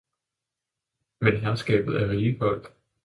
men herskabet er rige folk!